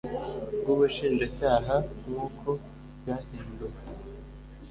bw ubushinjacyaha nk uko ryahinduwe